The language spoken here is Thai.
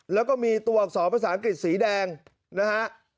แล้วก็มีตัวอักษรภาษาอังกฤษสีแดงนะฮะ